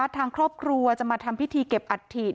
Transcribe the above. ทางครอบครัวจะมาทำพิธีเก็บอัฐิ